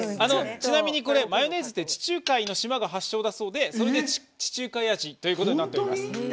マヨネーズって地中海の島が発祥だそうで、それで地中海味ということになっております。